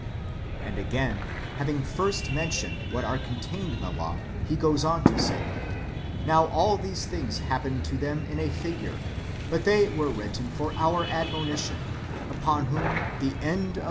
* And again, having first mentioned what are contained in the law, he goes on to say :" Now all these things happened to them in a figure ; but they were written for our admonition, upon whom tlie end of the » Luke XV.